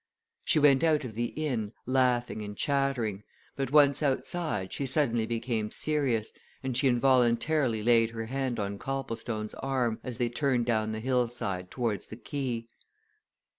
She went out of the inn, laughing and chattering, but once outside she suddenly became serious, and she involuntarily laid her hand on Copplestone's arm as they turned down the hillside towards the quay.